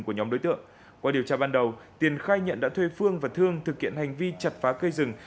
của nhóm đối tượng qua điều tra ban đầu tiền khai nhận đã thuê phương và thương thực hiện hành vi chặt phá cây rừng